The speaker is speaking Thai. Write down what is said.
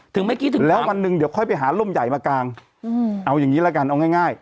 เมื่อกี้ถึงแล้ววันหนึ่งเดี๋ยวค่อยไปหาร่มใหญ่มากางเอาอย่างนี้ละกันเอาง่าย